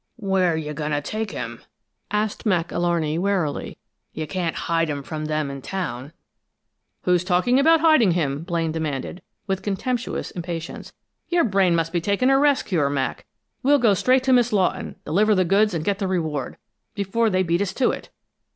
"Where you goin' to take him?" asked Mac Alarney, warily. "You can't hide him from them in town." "Who's talking about hiding him!" Blaine demanded, with contemptuous impatience. "Your brain must be taking a rest cure, Mac! We'll go straight to Miss Lawton, deliver the goods and get the reward, before they beat us to it!